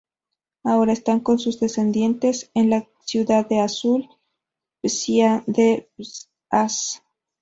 Ahora están con sus descendientes en la ciudad de Azul, pcia de Bs As